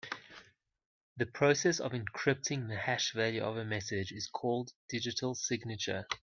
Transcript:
The process of encrypting the hash value of a message is called digital signature.